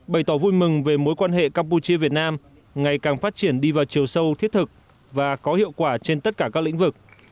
bày tỏ vui mừng về mối quan hệ campuchia việt nam ngày càng phát triển đi vào chiều sâu thiết thực và có hiệu quả trên tất cả các lĩnh vực